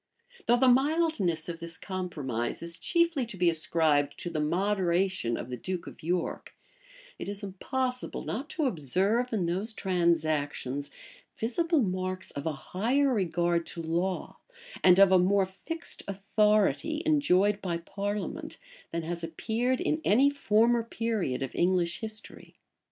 Though the mildness of this compromise is chiefly to be ascribed to the moderation of the duke of York, it is impossible not to observe in those transactions visible marks of a higher regard to law, and of a more fixed authority enjoyed by parliament, than has appeared in any former period of English history.